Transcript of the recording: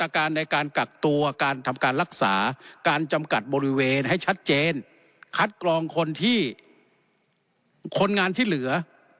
การรักษาการจำกัดบริเวณให้ชัดเจนคัดกรองคนที่คนงานที่เหลือ